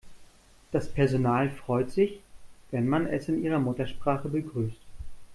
Das Personal freut sich, wenn man es in ihrer Muttersprache begrüßt.